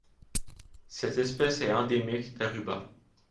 Cette espèce est endémique d'Aruba.